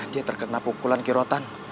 dia terkena pukulan kirotan